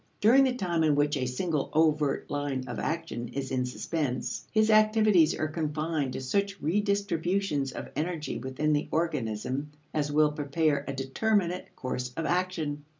During the time in which a single overt line of action is in suspense, his activities are confined to such redistributions of energy within the organism as will prepare a determinate course of action.